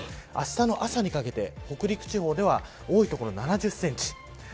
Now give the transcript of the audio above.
あしたの朝にかけて北陸地方では多い所で７０センチ。